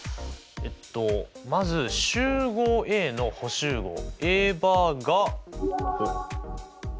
えっとまず集合Ａの補集合Ａバーがこう。